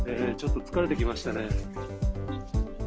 ちょっと疲れてきましたね。